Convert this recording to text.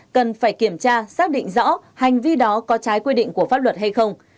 cần phải kiểm tra xác định rõ hành vi đó có trái quy định của pháp luật hay không